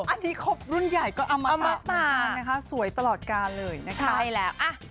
อันนี้ครบรุ่นใหญ่ก็อมตะนานนะคะสวยตลอดกาลเลยนะคะใช่แล้ว